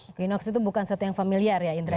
equinox itu bukan satu yang familiar ya indra